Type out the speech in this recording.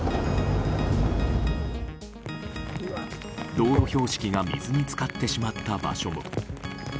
道路標識が水に浸かってしまった場所も。